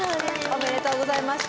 ありがとうございます。